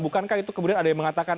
bukankah itu kemudian ada yang mengatakan